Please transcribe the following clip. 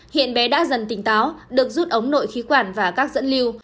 hiện bé đã dần tỉnh táo được rút ống nội khí quản và các dẫn lưu